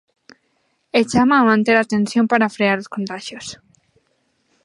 E chama a manter a tensión para frear os contaxios.